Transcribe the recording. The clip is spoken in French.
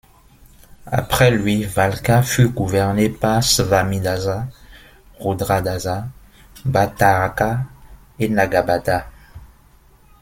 Après lui, Valkha fut gouverné par Svamidasa, Rudradasa, Bhattaraka et Nagabhatta.